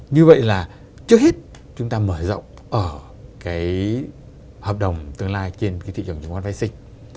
như vậy là trước hết chúng ta mở rộng ở cái hợp đồng tương lai trên cái thị trường chứng khoán vệ sinh